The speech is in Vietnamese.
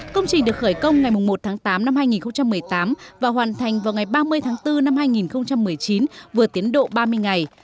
công trình được khởi công ngày một tháng tám năm hai nghìn một mươi tám và hoàn thành vào ngày ba mươi tháng bốn năm hai nghìn một mươi chín vừa tiến độ ba mươi ngày